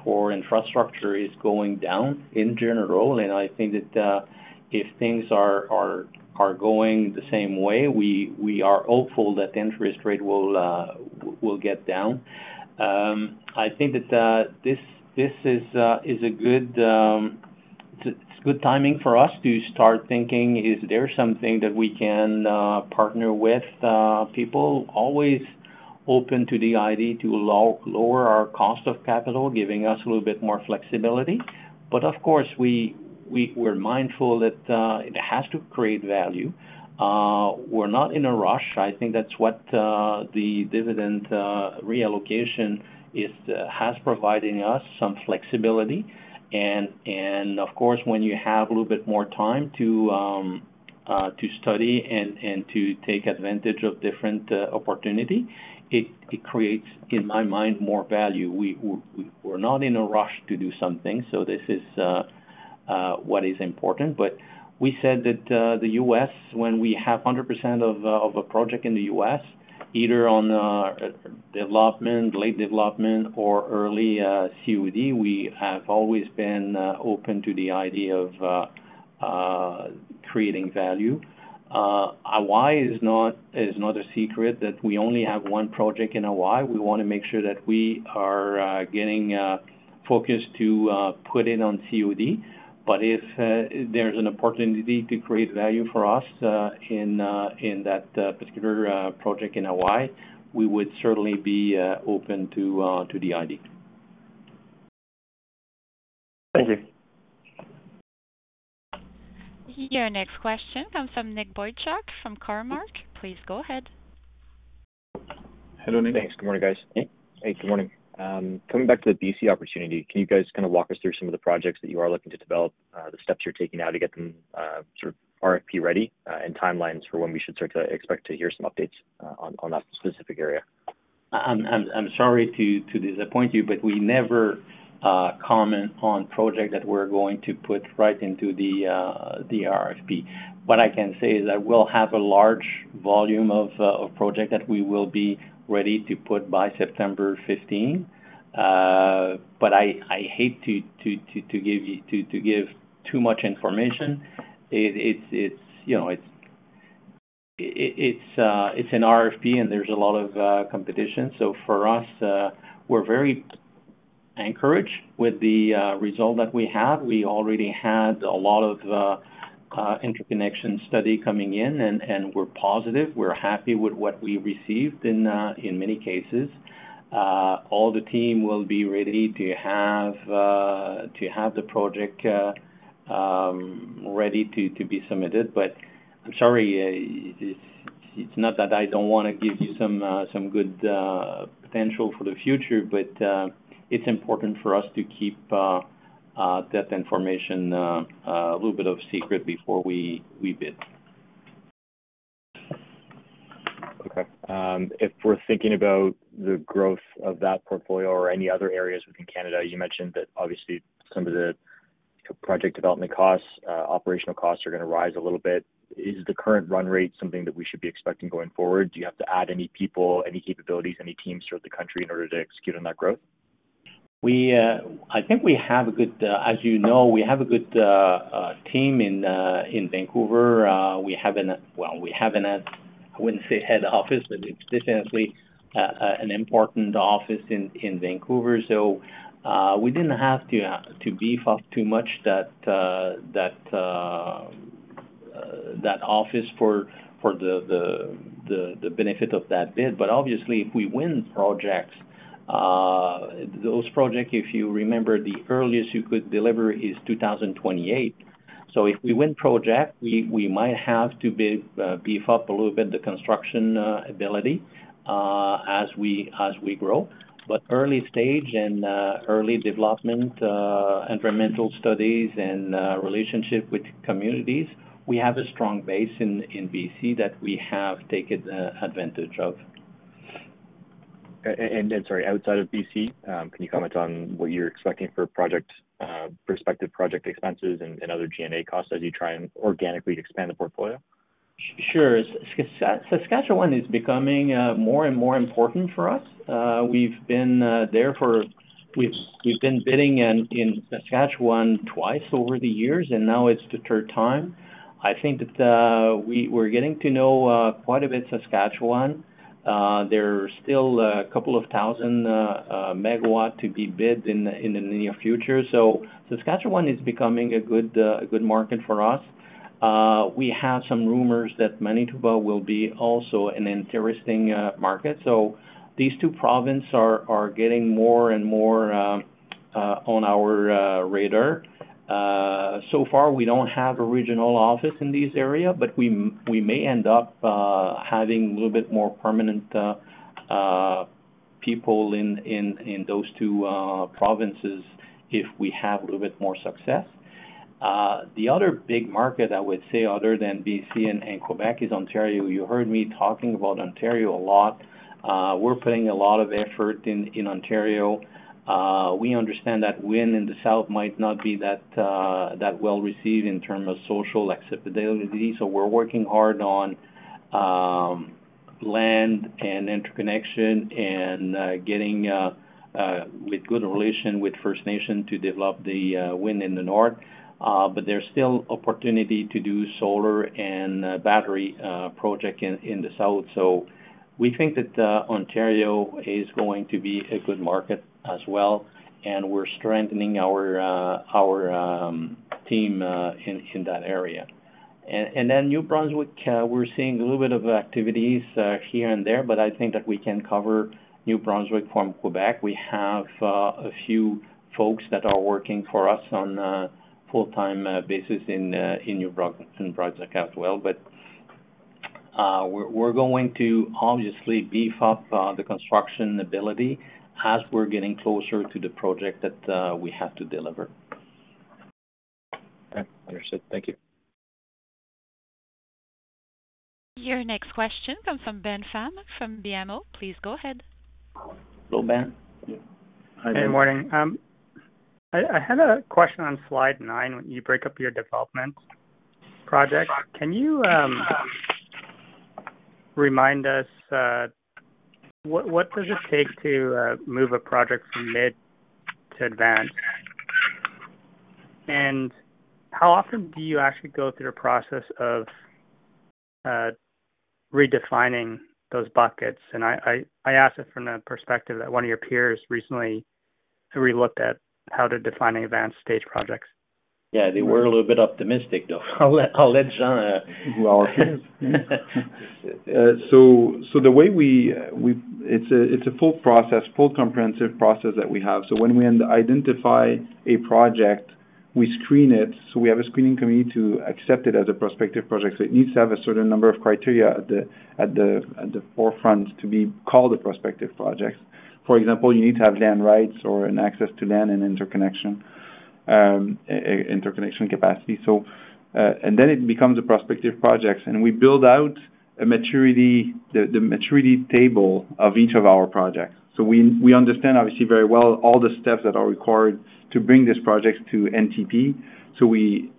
for infrastructure is going down in general. And I think that if things are going the same way, we are hopeful that the interest rate will get down. I think that this is a good, it's good timing for us to start thinking, is there something that we can Portneuf with? People always open to the idea to lower our cost of capital, giving us a little bit more flexibility. But of course, we're mindful that it has to create value. We're not in a rush. I think that's what the dividend reallocation is has providing us some flexibility. And of course, when you have a little bit more time to to study and to take advantage of different opportunity, it creates, in my mind, more value. We're not in a rush to do something, so this is what is important. But we said that the U.S., when we have 100% of a project in the U.S., either on development, late development or early COD, we have always been open to the idea of creating value. Hawaii is not a secret that we only have one project in Hawaii. We want to make sure that we are getting focused to put in on COD. But if there's an opportunity to create value for us in that particular project in Hawaii, we would certainly be open to the idea.
Thank you.
Your next question comes from Nick Boychuk, from Cormark. Please go ahead.
Hello, Nick.
Thanks. Good morning, guys.
Nick?
Hey, good morning. Coming back to the BC opportunity, can you guys kind of walk us through some of the projects that you are looking to develop, the steps you're taking now to get them, sort of RFP ready, and timelines for when we should start to expect to hear some updates, on that specific area?
I'm sorry to disappoint you, but we never comment on project that we're going to put right into the RFP. What I can say is that we'll have a large volume of project that we will be ready to put by September fifteen. But I hate to give you too much information. It's, you know, it's an RFP, and there's a lot of competition. So for us, we're very encouraged with the result that we have. We already had a lot of interconnection study coming in, and we're positive. We're happy with what we received in many cases. All the team will be ready to have the project ready to be submitted. But I'm sorry, it's not that I don't want to give you some good potential for the future, but it's important for us to keep that information a little bit secret before we bid.
Okay. If we're thinking about the growth of that portfolio or any other areas within Canada, you mentioned that obviously some of the project development costs, operational costs are gonna rise a little bit. Is the current run rate something that we should be expecting going forward? Do you have to add any people, any capabilities, any teams throughout the country in order to execute on that growth?
I think we have a good, as you know, we have a good team in Vancouver. We haven't, well, we haven't had. I wouldn't say head office, but it's definitely an important office in Vancouver. So, we didn't have to beef up too much that office for the benefit of that bid. But obviously, if we win projects, those projects, if you remember, the earliest you could deliver is 2028. So if we win project, we might have to beef up a little bit the construction ability as we grow. But early stage and early development, environmental studies and relationship with communities, we have a strong base in BC that we have taken advantage of.
Sorry, outside of BC, can you comment on what you're expecting for prospective project expenses and other G&A costs as you try and organically expand the portfolio?
Sure. Saskatchewan is becoming more and more important for us. We've been there. We've been bidding in Saskatchewan twice over the years, and now it's the third time. I think that we're getting to know quite a bit Saskatchewan. There are still a couple of thousand MW to be bid in the near future. So Saskatchewan is becoming a good market for us. We have some rumors that Manitoba will be also an interesting market. So these two province are getting more and more on our radar. So far, we don't have a regional office in this area, but we may end up having a little bit more permanent people in those two provinces if we have a little bit more success. The other big market, I would say, other than BC and Quebec, is Ontario. You heard me talking about Ontario a lot. We're putting a lot of effort in Ontario. We understand that wind in the south might not be that well-received in terms of social acceptability. So we're working hard on land and interconnection and getting with good relation with First Nation to develop the wind in the north. But there's still opportunity to do solar and battery project in the south. So we think that Ontario is going to be a good market as well, and we're strengthening our our team in in that area. And then New Brunswick, we're seeing a little bit of activities here and there, but I think that we can cover New Brunswick from Quebec. We have a few folks that are working for us on a full-time basis in in New Brunswick, in Brunswick as well. But we're we're going to obviously beef up the construction ability as we're getting closer to the project that we have to deliver.
Okay. Understood. Thank you.
Your next question comes from Ben Pham from BMO. Please go ahead.
Hello, Ben. Yeah. Hi, Ben.
Good morning. I had a question on slide 9, when you break up your development project. Can you remind us what does it take to move a project from mid to advanced? And how often do you actually go through the process of redefining those buckets? And I ask it from the perspective that one of your peers recently relooked at how to define advanced stage projects.
Yeah, they were a little bit optimistic, though. I'll let Jean...
Well, so the way we—it's a full process, full comprehensive process that we have. So when we identify a project, we screen it. So we have a screening committee to accept it as a prospective project. So it needs to have a certain number of criteria at the forefront to be called a prospective project. For example, you need to have land rights or an access to land and interconnection capacity. So, and then it becomes a prospective project, and we build out a maturity table of each of our projects. So we understand, obviously, very well all the steps that are required to bring these projects to NTP. So we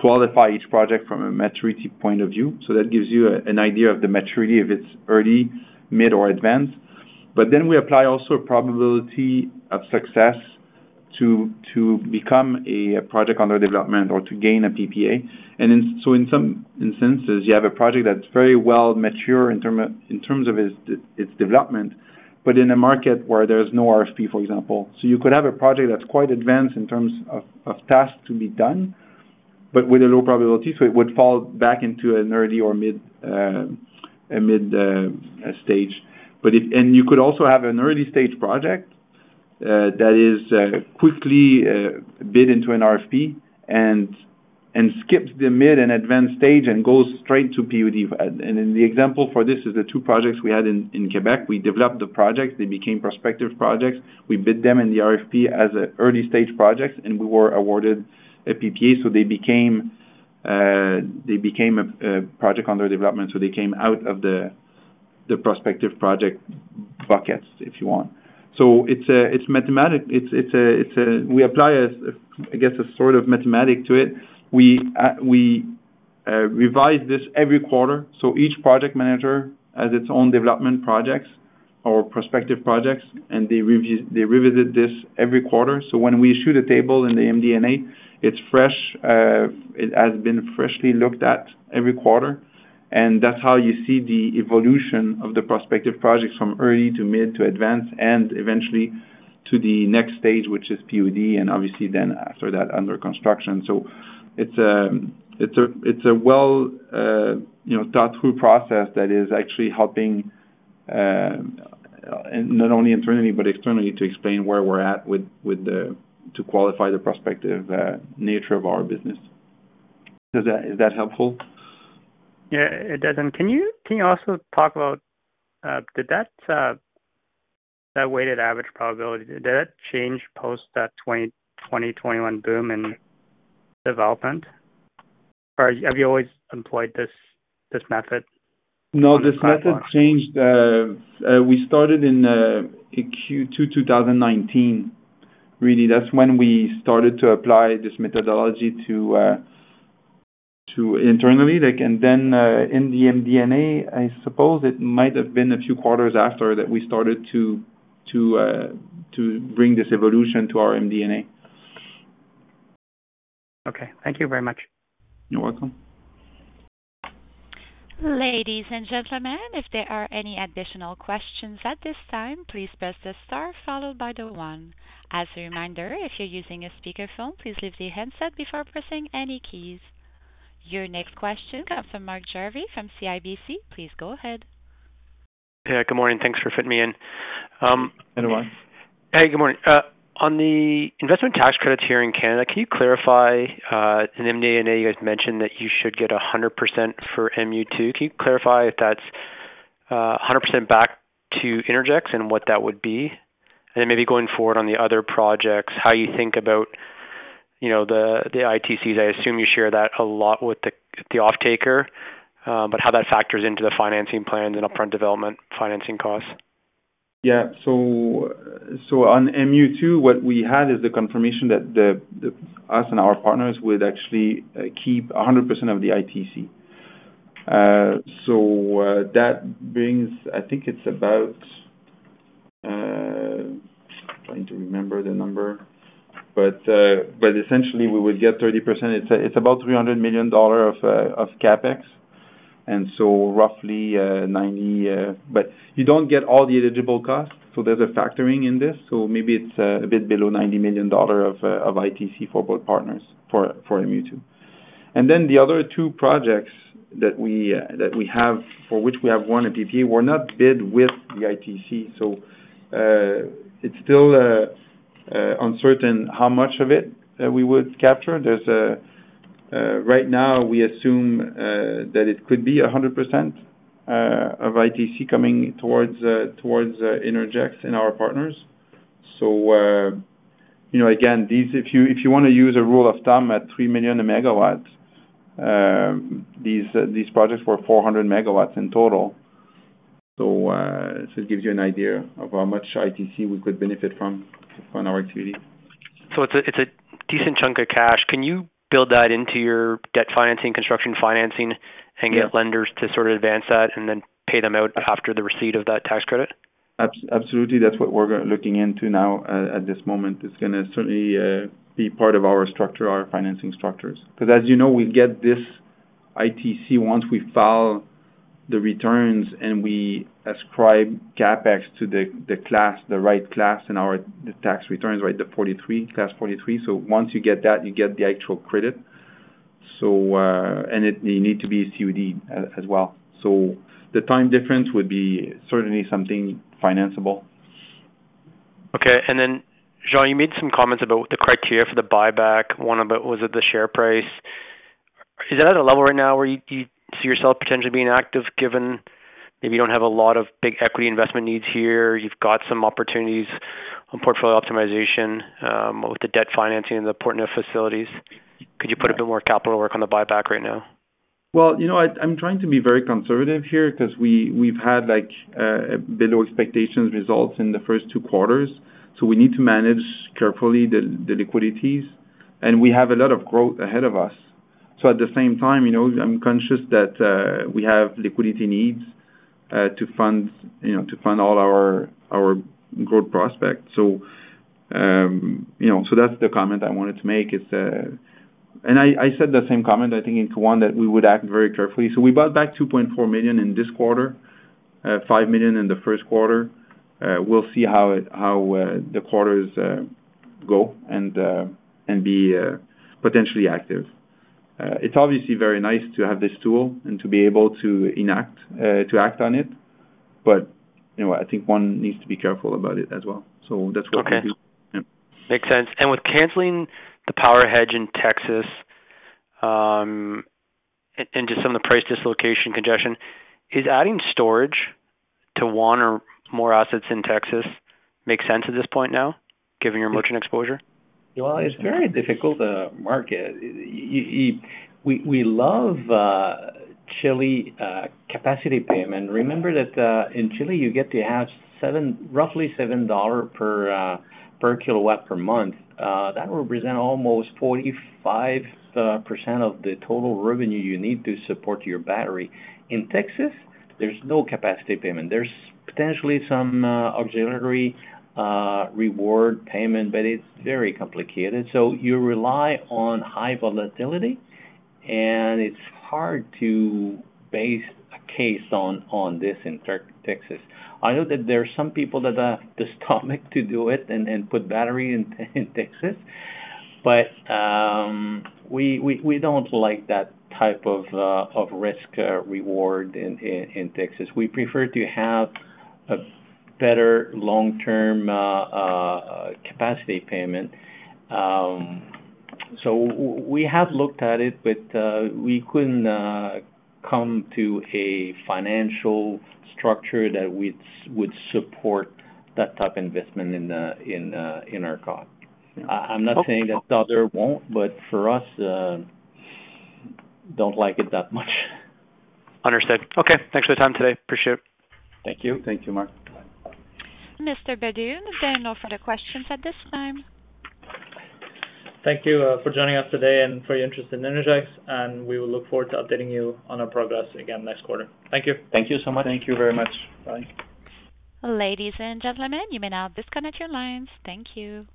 qualify each project from a maturity point of view. So that gives you an idea of the maturity, if it's early, mid, or advanced. But then we apply also a probability of success to become a project under development or to gain a PPA. So in some instances, you have a project that's very well mature in terms of its development, but in a market where there's no RFP, for example. So you could have a project that's quite advanced in terms of tasks to be done, but with a low probability, so it would fall back into an early or mid, a mid stage. But if... And you could also have an early stage project that is quickly bid into an RFP and skips the mid and advanced stage and goes straight to PUD. The example for this is the two projects we had in Quebec. We developed the project, they became prospective projects. We bid them in the RFP as a early stage project, and we were awarded a PPA. So they became a project under development, so they came out of the prospective project buckets, if you want. So it's mathematical. It's a-- we apply a, I guess, a sort of mathematical to it. We revise this every quarter, so each project manager has its own development projects, our prospective projects, and they review, they revisit this every quarter. So when we issue the table in the MD&A, it's fresh, it has been freshly looked at every quarter. And that's how you see the evolution of the prospective projects from early to mid to advanced, and eventually to the next stage, which is PUD, and obviously then after that, under construction. So it's a well, you know, thought through process that is actually helping, and not only internally but externally, to explain where we're at with the to qualify the prospective nature of our business. So is that helpful?
Yeah, it does. And can you, can you also talk about, did that, that weighted average probability, did that change post that 2021 boom in development? Or have you always employed this, this method?
No, this method changed. We started in Q2 2019. Really, that's when we started to apply this methodology to internally, like, and then in the MD&A, I suppose it might have been a few quarters after that we started to bring this evolution to our MD&A.
Okay. Thank you very much.
You're welcome.
Ladies and gentlemen, if there are any additional questions at this time, please press the star followed by the one. As a reminder, if you're using a speakerphone, please lift the handset before pressing any keys. Your next question comes from Mark Jarvi from CIBC. Please go ahead.
Yeah, good morning. Thanks for fitting me in.
Hello.
Hey, good morning. On the investment tax credits here in Canada, can you clarify, in MD&A, you guys mentioned that you should get 100% for MU2. Can you clarify if that's a hundred percent back to Innergex and what that would be? And then maybe going forward on the other projects, how you think about, you know, the, the ITCs. I assume you share that a lot with the, the offtaker, but how that factors into the financing plans and upfront development financing costs.
Yeah. So on MU2, what we had is the confirmation that we and our Portneuf would actually keep 100% of the ITC. So that brings, I think it's about... Trying to remember the number, but essentially, we would get 30%. It's about 300 million dollars of CapEx, and so roughly 90, but you don't get all the eligible costs, so there's a factoring in this. So maybe it's a bit below 90 million dollars of ITC for both Portneuf, for MU2. And then the other two projects that we have, for which we have won a PPA, were not bid with the ITC. So it's still uncertain how much of it we would capture. There's a right now, we assume that it could be 100% of ITC coming towards Innergex and our Portneuf. So you know, again, these, if you want to use a rule of thumb, at $3 million a MW, these projects were 400 MW in total. So it gives you an idea of how much ITC we could benefit from on our activity.
So it's a decent chunk of cash. Can you build that into your debt financing, construction financing?
Yeah.
and get lenders to sort of advance that and then pay them out after the receipt of that tax credit?
Absolutely. That's what we're looking into now, at this moment. It's gonna certainly be part of our structure, our financing structures. Because as you know, we get this ITC once we file the returns and we ascribe CapEx to the class, the right class in our tax returns, right, 43, Class 43. So once you get that, you get the actual credit. So, and it, you need to be COD as well. So the time difference would be certainly something financeable.
Okay. And then, Jean, you made some comments about the criteria for the buyback. One of it was at the share price. Is that at a level right now where you, you see yourself potentially being active, given maybe you don't have a lot of big equity investment needs here, you've got some opportunities on portfolio optimization, with the debt financing and the Portneuf facilities?
Yeah.
Could you put a bit more capital work on the buyback right now?
Well, you know, I, I'm trying to be very conservative here because we, we've had, like, below expectations results in the first two quarters, so we need to manage carefully the liquidities, and we have a lot of growth ahead of us. So at the same time, you know, I'm conscious that we have liquidity needs to fund, you know, to fund all our growth prospects. So, you know, so that's the comment I wanted to make. It's... And I said the same comment, I think, in Q2, that we would act very carefully. So we bought back 2.4 million in this quarter, five million in the first quarter. We'll see how it, how the quarters go, and be potentially active. It's obviously very nice to have this tool and to be able to enact, to act on it, but, you know, I think one needs to be careful about it as well. So that's what we'll do.
Okay.
Yeah.
Makes sense. With canceling the power hedge in Texas, and just some of the price dislocation congestion, is adding storage to one or more assets in Texas make sense at this point now, given your merchant exposure?
Well, it's a very difficult market. We love Chile, capacity payment. Remember that, in Chile, you get to have 7, roughly $7 per kilowatt per month. That represent almost 45% of the total revenue you need to support your battery. In Texas, there's no capacity payment. There's potentially some ancillary services payment, but it's very complicated. So you rely on high volatility, and it's hard to base a case on this in Texas. I know that there are some people that are destined to do it and put battery in Texas, but we don't like that type of risk reward in Texas. We prefer to have a better long-term capacity payment. So we have looked at it, but we couldn't come to a financial structure that would support that type of investment in our cost. I'm not saying that the other won't, but for us, don't like it that much.
Understood. Okay, thanks for the time today. Appreciate it.
Thank you.
Thank you, Mark.
Mr. Letellier, there are no further questions at this time.
Thank you, for joining us today and for your interest in Innergex, and we will look forward to updating you on our progress again next quarter. Thank you.
Thank you so much.
Thank you very much. Bye.
Ladies and gentlemen, you may now disconnect your lines. Thank you.